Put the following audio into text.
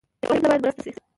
بې وزله باید مرسته شي